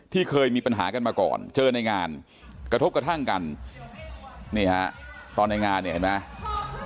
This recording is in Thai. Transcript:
เคยมีปัญหากันมาก่อนเจอในงานกระทบกระทั่งกันนี่ฮะตอนในงานเนี่ยเห็นไหม